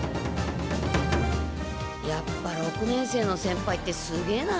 やっぱ六年生の先輩ってすげえな。